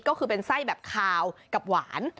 ก็คือเป็นไส้แบบคาวกับหวาน